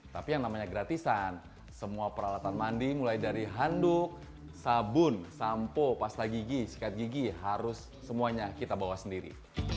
tapi yang namanya gratisan semua peralatan mandi mulai dari handuk sabun sampo pasta gigi sikat gigi harus semuanya kita bawa sendiri